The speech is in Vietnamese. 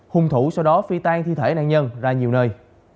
hung thủ sau đó phi tay thi thể nạn nhân ra nhiều nơi